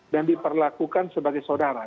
dan diperlakukan sebagai saudara